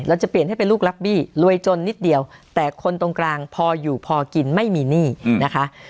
จะเปลี่ยนให้เป็นลูกรักบี้รวยจนนิดเดียวแต่คนตรงกลางพออยู่พอกินไม่มีหนี้นะคะ